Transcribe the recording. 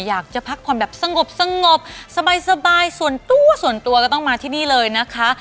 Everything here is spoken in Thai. อยากจะพักผ่อนแบบสงบสบายส่วนตัวส่วนตัวก็ต้องมาที่นี่เลยนะคะ